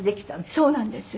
そうなんです。